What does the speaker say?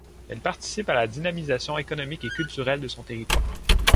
Elle participe à la dynamisation économique et culturelle de son territoire.